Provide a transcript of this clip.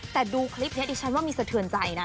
แต่ดูคลิปนี้ดิฉันว่ามีสะเทือนใจนะ